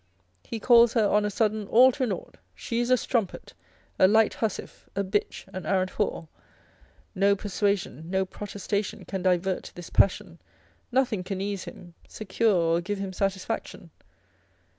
He calls her on a sudden all to nought, she is a strumpet, a light housewife, a bitch, an arrant whore. No persuasion, no protestation can divert this passion, nothing can ease him, secure or give him satisfaction.